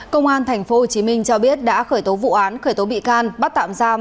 công an tp hcm cho biết đã khởi tố vụ án khởi tố bị can bắt tạm giam